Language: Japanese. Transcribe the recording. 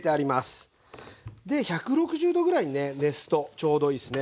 １６０℃ぐらいにね熱すとちょうどいいっすね。